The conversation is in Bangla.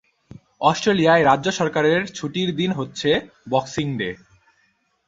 অস্ট্রেলিয়ায় রাজ্য সরকারের ছুটির দিন হচ্ছে বক্সিং ডে।